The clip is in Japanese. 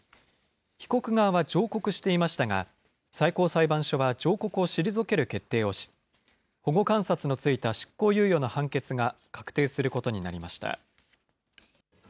被告側は上告していましたが、最高裁判所は上告を退ける決定をし、保護観察のついた執行猶予の判決が確定することになりました。